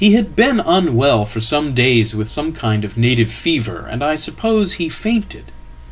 He had been unwell for some days with some kindof native fever, and I suppose he fainted.